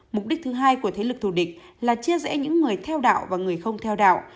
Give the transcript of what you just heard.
mục đích thứ hai của thế lực thù địch là chia rẽ những người theo đạo và người không theo đạo